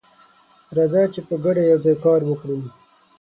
راځه چې په ګډه یوځای کار وکړو.